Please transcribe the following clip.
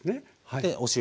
でお塩。